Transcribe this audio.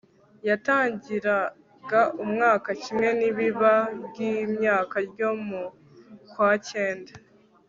yatangiraga umwaka kimwe n'ibiba ry'imyaka ryo mu kwa kenda